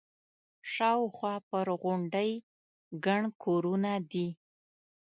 شاوخوا پر غونډۍ ګڼ کورونه دي.